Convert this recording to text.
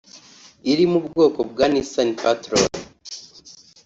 iri mu bwoko bwa Nissan Patrol